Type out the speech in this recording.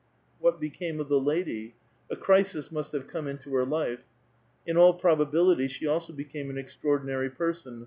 What became of the lady? A crisis must have come into her life. In all probabilit}' she also became an extraordinary person.